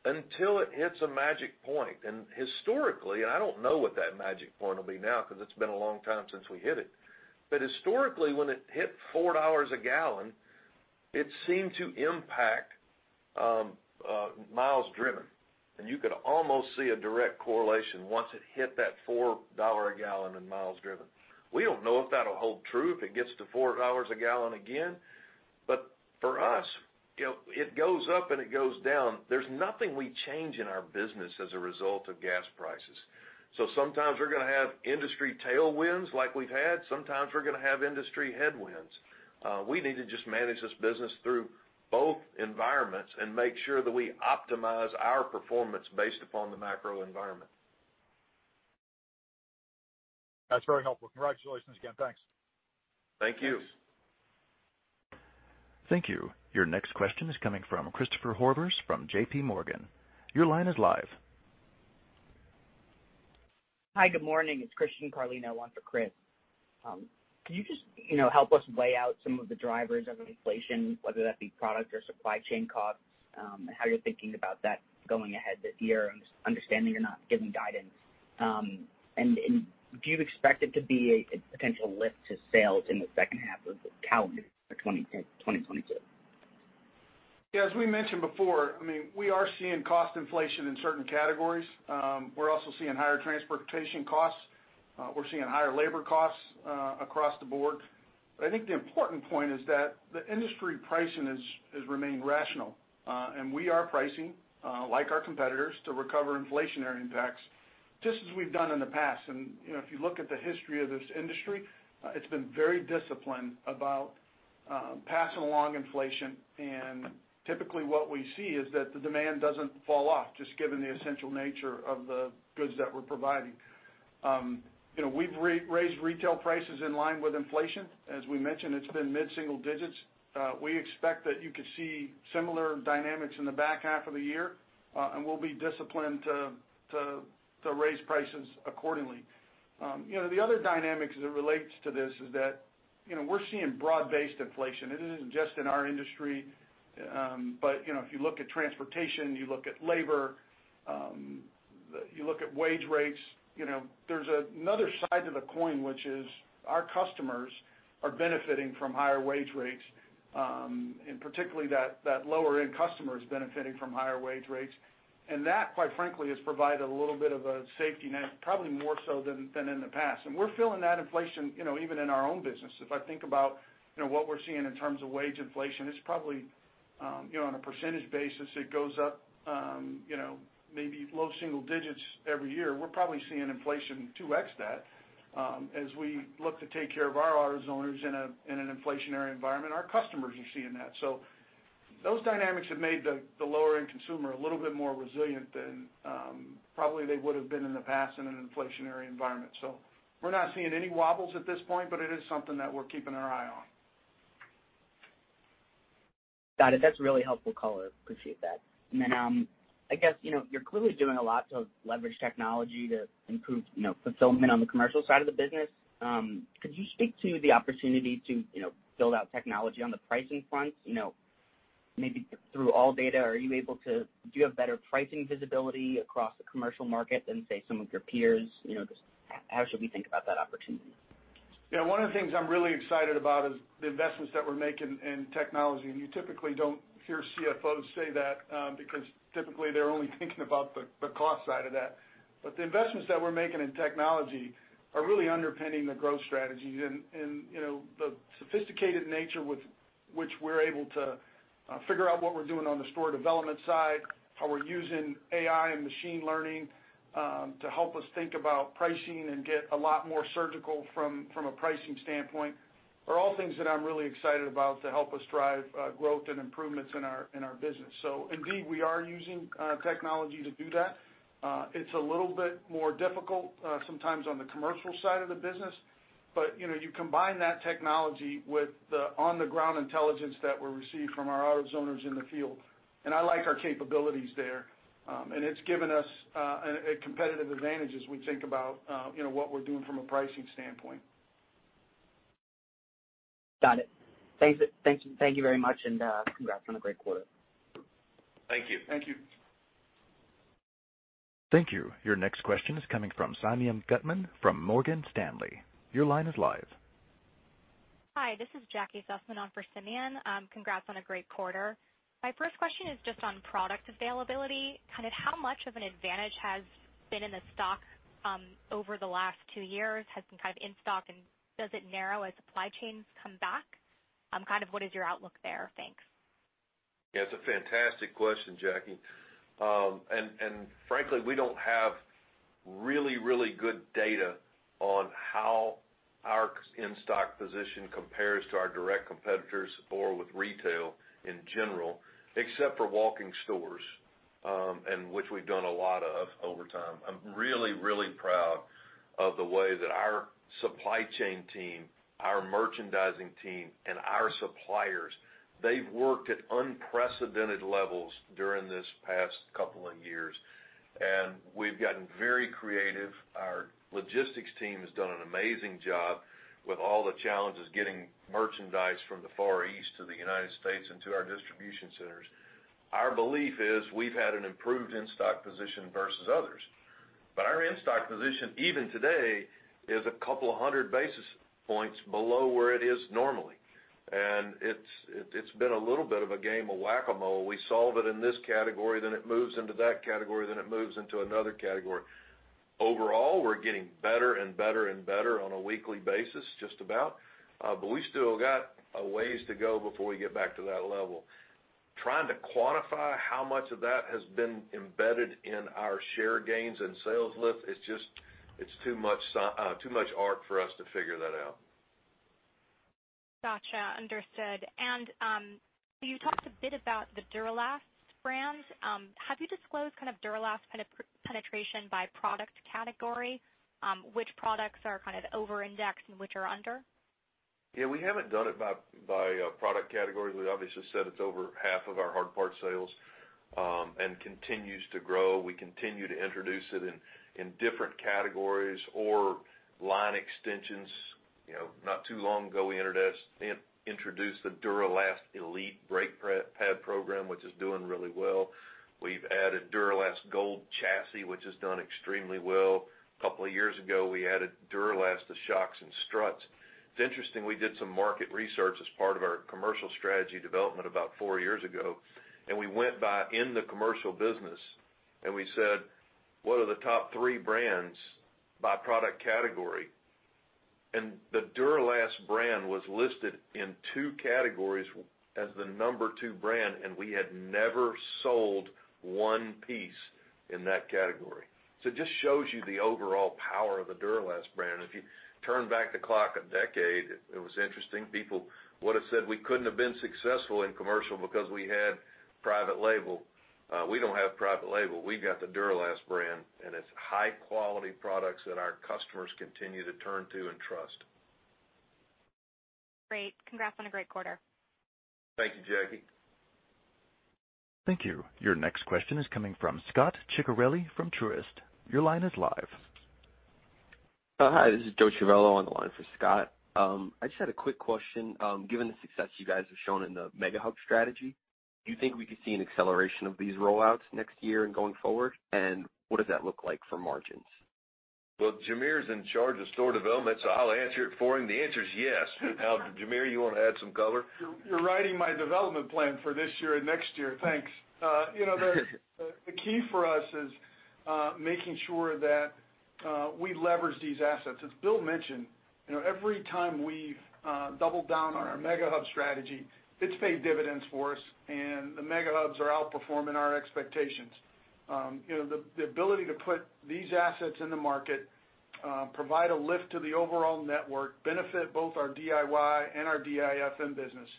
until it hits a magic point. Historically, I don't know what that magic point will be now because it's been a long time since we hit it. Historically, when it hit $4 a gallon, it seemed to impact miles driven, and you could almost see a direct correlation once it hit that $4 a gallon in miles driven. We don't know if that'll hold true if it gets to $4 a gallon again. For us, you know, it goes up and it goes down. There's nothing we change in our business as a result of gas prices. Sometimes we're going to have industry tailwinds like we've had, sometimes we're going to have industry headwinds. We need to just manage this business through both environments and make sure that we optimize our performance based upon the macro environment. That's very helpful. Congratulations again. Thanks. Thank you. Thank you. Your next question is coming from Christopher Horvers from JPMorgan. Your line is live. Hi, good morning. It's Christian Carlino on for Chris. Can you just, you know, help us lay out some of the drivers of inflation, whether that be product or supply chain costs, and how you're thinking about that going ahead this year, understanding you're not giving guidance? And do you expect it to be a potential lift to sales in the second half of the calendar for 2022? Yeah, as we mentioned before, I mean, we are seeing cost inflation in certain categories. We're also seeing higher transportation costs. We're seeing higher labor costs across the board. I think the important point is that the industry pricing has remained rational. We are pricing like our competitors to recover inflationary impacts, just as we've done in the past. You know, if you look at the history of this industry, it's been very disciplined about passing along inflation. Typically what we see is that the demand doesn't fall off, just given the essential nature of the goods that we're providing. You know, we've raised retail prices in line with inflation. As we mentioned, it's been mid-single digits. We expect that you could see similar dynamics in the back half of the year, and we'll be disciplined to raise prices accordingly. You know, the other dynamics as it relates to this is that, you know, we're seeing broad-based inflation. It isn't just in our industry. You know, if you look at transportation, you look at labor, you look at wage rates, you know, there's another side to the coin, which is our customers are benefiting from higher wage rates, and particularly that lower end customer is benefiting from higher wage rates. That, quite frankly, has provided a little bit of a safety net, probably more so than in the past. We're feeling that inflation, you know, even in our own business. If I think about, you know, what we're seeing in terms of wage inflation, it's probably, you know, on a percentage basis, it goes up, you know, maybe low single digits every year. We're probably seeing inflation 2x that. As we look to take care of our AutoZoners in an inflationary environment, our customers are seeing that. So those dynamics have made the lower end consumer a little bit more resilient than, probably they would have been in the past in an inflationary environment. So we're not seeing any wobbles at this point, but it is something that we're keeping an eye on. Got it. That's a really helpful call. Appreciate that. I guess, you know, you're clearly doing a lot to leverage technology to improve, you know, fulfillment on the commercial side of the business. Could you speak to the opportunity to, you know, build out technology on the pricing front? You know, maybe through ALLDATA, do you have better pricing visibility across the commercial market than, say, some of your peers? You know, just how should we think about that opportunity? Yeah, one of the things I'm really excited about is the investments that we're making in technology. You typically don't hear CFOs say that, because typically they're only thinking about the cost side of that. The investments that we're making in technology are really underpinning the growth strategies and you know the sophisticated nature with which we're able to figure out what we're doing on the store development side, how we're using AI and machine learning to help us think about pricing and get a lot more surgical from a pricing standpoint, are all things that I'm really excited about to help us drive growth and improvements in our business. Indeed, we are using technology to do that. It's a little bit more difficult sometimes on the commercial side of the business, but, you know, you combine that technology with the on-the-ground intelligence that we receive from our AutoZoners in the field. I like our capabilities there. It's given us a competitive advantage as we think about, you know, what we're doing from a pricing standpoint. Got it. Thanks. Thank you. Thank you very much, and congrats on a great quarter. Thank you. Thank you. Thank you. Your next question is coming from Simeon Gutman from Morgan Stanley. Your line is live. Hi, this is Jacquelyn Sussman on for Simeon Gutman. Congrats on a great quarter. My first question is just on product availability. Kind of how much of an advantage has been in the stock over the last two years has been kind of in stock, and does it narrow as supply chains come back? Kind of what is your outlook there? Thanks. Yeah, it's a fantastic question, Jackie. And frankly, we don't have really good data on how our in-stock position compares to our direct competitors or with retail in general, except for walk-in stores, and which we've done a lot of over time. I'm really proud of the way that our supply chain team, our merchandising team, and our suppliers, they've worked at unprecedented levels during this past couple of years, and we've gotten very creative. Our logistics team has done an amazing job with all the challenges getting merchandise from the Far East to the United States and to our distribution centers. Our belief is we've had an improved in-stock position versus others. Our in-stock position, even today, is a couple of hundred basis points below where it is normally. It's been a little bit of a game of Whac-A-Mole. We solve it in this category, then it moves into that category, then it moves into another category. Overall, we're getting better and better and better on a weekly basis, just about. But we still got a ways to go before we get back to that level. Trying to quantify how much of that has been embedded in our share gains and sales lift is just, it's too much art for us to figure that out. Gotcha, understood. You talked a bit about the Duralast brand. Have you disclosed kind of Duralast penetration by product category? Which products are kind of over-indexed and which are under? Yeah, we haven't done it by product category. We obviously said it's over half of our hard part sales and continues to grow. We continue to introduce it in different categories or line extensions. You know, not too long ago, we introduced the Duralast Elite Brake Pad Program, which is doing really well. We've added Duralast Gold Chassis, which has done extremely well. A couple of years ago, we added Duralast to shocks and struts. It's interesting, we did some market research as part of our commercial strategy development about four years ago, and we went to buyers in the commercial business, and we said, "What are the top three brands by product category?" The Duralast brand was listed in two categories as the number two brand, and we had never sold one piece in that category. It just shows you the overall power of the Duralast brand. If you turn back the clock a decade, it was interesting, people would have said we couldn't have been successful in commercial because we had private label. We don't have private label. We got the Duralast brand, and it's high-quality products that our customers continue to turn to and trust. Great. Congrats on a great quarter. Thank you, Jackie. Thank you. Your next question is coming from Scot Ciccarelli from Truist. Your line is live. Hi. This is Joseph Civello on the line for Scot. I just had a quick question. Given the success you guys have shown in the Mega Hub strategy, do you think we could see an acceleration of these rollouts next year and going forward? What does that look like for margins? Well, Jamere's in charge of store development, so I'll answer it for him. The answer is yes. Now, Jamere, you want to add some color? You're writing my development plan for this year and next year. Thanks. You know, the key for us is making sure that we leverage these assets. As Bill mentioned, you know, every time we've doubled down on our Mega Hub strategy, it's paid dividends for us, and the Mega Hubs are outperforming our expectations. You know, the ability to put these assets in the market provide a lift to the overall network, benefit both our DIY and our DIFM business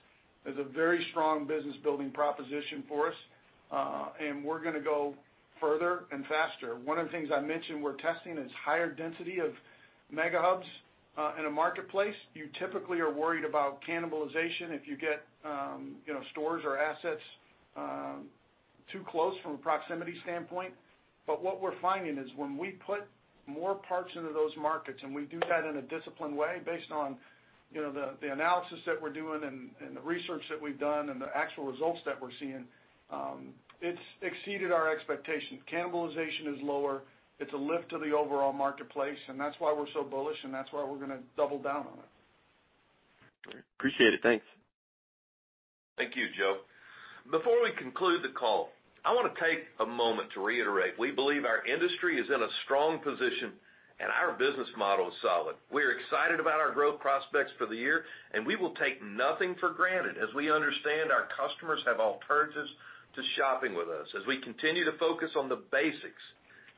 is a very strong business-building proposition for us. And we're going to go further and faster. One of the things I mentioned we're testing is higher density of Mega Hubs in a marketplace. You typically are worried about cannibalization if you get stores or assets too close from a proximity standpoint. What we're finding is when we put more parts into those markets, and we do that in a disciplined way based on, you know, the analysis that we're doing and the research that we've done and the actual results that we're seeing, it's exceeded our expectations. Cannibalization is lower. It's a lift to the overall marketplace, and that's why we're so bullish, and that's why we're going to double down on it. Great. Appreciate it. Thanks. Thank you, Joe. Before we conclude the call, I want to take a moment to reiterate we believe our industry is in a strong position and our business model is solid. We're excited about our growth prospects for the year, and we will take nothing for granted as we understand our customers have alternatives to shopping with us. As we continue to focus on the basics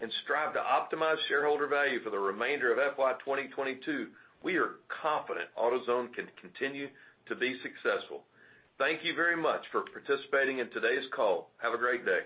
and strive to optimize shareholder value for the remainder of FY 2022, we are confident AutoZone can continue to be successful. Thank you very much for participating in today's call. Have a great day.